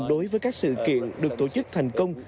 đối với các sự kiện được tổ chức thành công